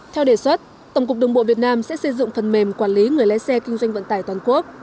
theo đề xuất tổng cục đường bộ việt nam sẽ xây dựng phần mềm quản lý người lái xe kinh doanh vận tải toàn quốc